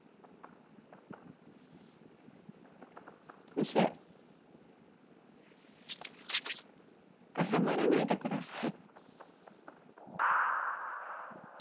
いえ謝らないでください。